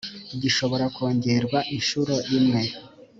gishobora kongerwa inshuro imwe